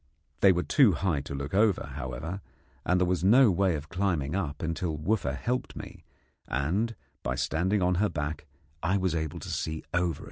They were too high to look over, however, and there was no way of climbing up until Wooffa helped me, and by standing on her back I was able to see over.